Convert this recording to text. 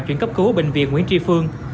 chuyển cấp cứu ở bệnh viện nguyễn tri phương